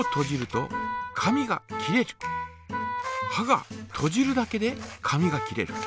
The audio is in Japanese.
がとじるだけで紙が切れる。